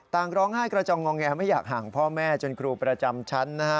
ต่างร้องห้ากระจองงองแยไม่อยากห่างพ่อแม่จนครูประจำชั้น